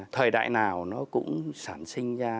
thời đại nào nó cũng sản sinh ra